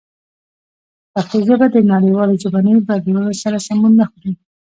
پښتو ژبه د نړیوالو ژبني بدلونونو سره سمون نه خوري.